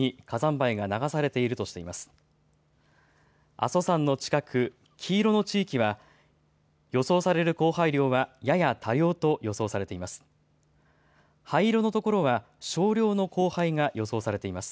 阿蘇山の近く、黄色の地域は予想される降灰量はやや多量と予想されています。